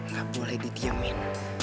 gak boleh didiamin